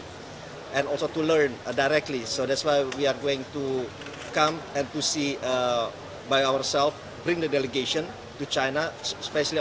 dan juga untuk belajar secara langsung jadi itulah mengapa kita akan datang dan melihat dengan diri sendiri membawa delegasi ke china terutama pada dua ribu sebelas